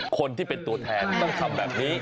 คนที่เป็นตัวแทนต้องทำแบบนี้